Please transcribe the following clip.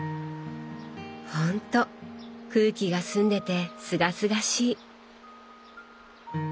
ほんと空気が澄んでてすがすがしい。